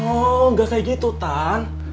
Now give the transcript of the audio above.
oh nggak kayak gitu tan